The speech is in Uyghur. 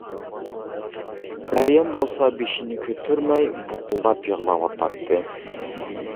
مەريەم بولسا بېشىنى كۆتۈرمەي بۇقۇلداپ يىغلاۋاتاتتى.